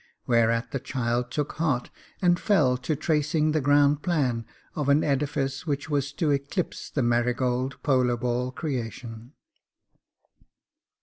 Whereat the child took heart and fell to tracing the ground plan of an edifice which was to eclipse the marigold polo ball creation.